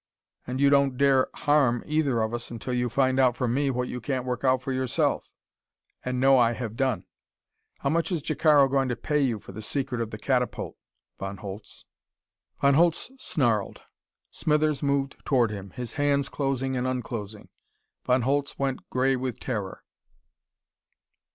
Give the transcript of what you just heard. And you don't dare harm either of us until you find out from me what you can't work out for yourself, and know I have done. How much is Jacaro going to pay you for the secret of the catapult, Von Holtz?" Von Holtz snarled. Smithers moved toward him, his hands closing and unclosing. Von Holtz went gray with terror.